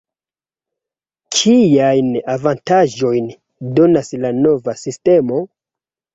Kiajn avantaĝojn donas la nova sistemo?